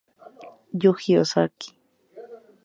Yuji Ozaki